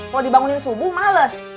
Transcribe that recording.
kalo dibangunin subuh males